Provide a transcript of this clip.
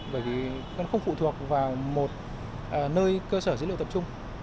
bởi vì nó không phụ thuộc vào một nơi cơ sở dữ liệu tập trung